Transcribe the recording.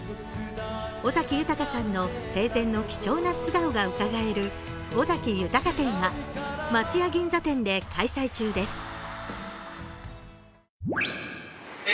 尾崎豊さんの生前の貴重な素顔がうかがえる尾崎豊展は松屋銀座店で開催中です。